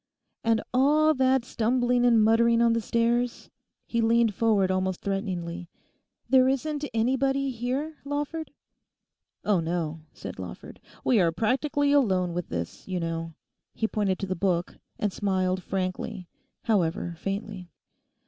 'And all that stumbling and muttering on the stairs?' he leant forward almost threateningly. 'There isn't anybody here, Lawford?' 'Oh, no,' said Lawford. 'We are practically alone with this, you know,' he pointed to the book, and smiled frankly, however faintly.